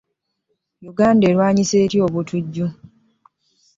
Uganda erwanyise etya obutujju?